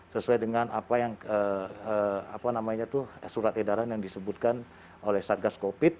sesuai dengan apa yang apa namanya itu surat edaran yang disebutkan oleh satgas covid sembilan belas